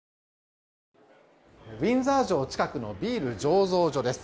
ウィンザー城近くのビール醸造所です。